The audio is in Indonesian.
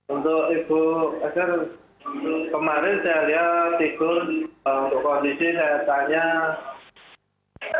untuk ibu sr kemarin saya lihat ikut kondisi sehatnya namanya